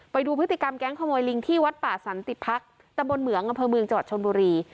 ไปดูพฤติกรรมแก๊งขโมยลิงที่วัดป่าสันติดพักตำบลเหมืองอเจวร์ชนบุรี